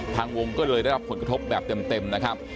ทางวงก็เลยได้รับผลกระทบแบบเต็มนะครับ